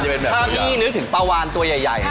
ถ้าพี่นึกถึงปลาวานตัวใหญ่